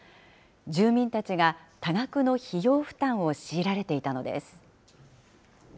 住民たちが多額の費用負担を強いられていたのです。